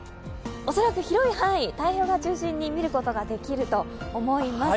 恐らく広い範囲、太平洋側を中心に見ることができると思います。